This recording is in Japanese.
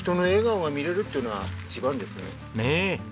ねえ。